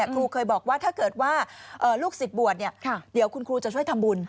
ครูเคยบอกว่าถ้าเกิดว่าลูกศิษย์บวชเดี๋ยวคุณครูจะช่วยทำบุญ